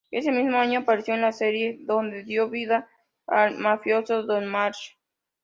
Ese mismo año apareció en la serie donde dio vida al mafioso Don Marsh.